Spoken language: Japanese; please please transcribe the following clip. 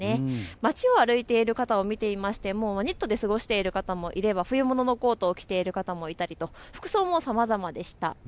街を歩いている方を見ていてもニットで過ごしている方もいれば冬物のコートを着ている方もいたりと服装もさまざまでした。